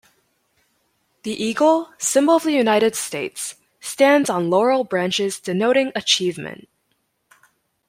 The eagle, symbol of the United States, stands on laurel branches denoting achievement.